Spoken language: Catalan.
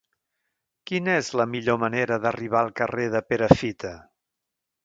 Quina és la millor manera d'arribar al carrer de Perafita?